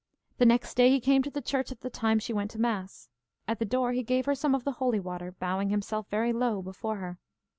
The next day he came to the church at the time she went to mass. At the door he gave her some of the holy water, bowing himself very low before her.